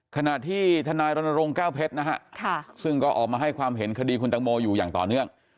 ขณะที่ทนายรณรงค์แก้วเพชรนะฮะซึ่งก็ออกมาให้ความเห็นคดีคุณตังโมอยู่อย่างต่อเนื่อง